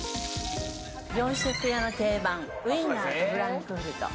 洋食屋の定番、ウインナーとフランクフルト。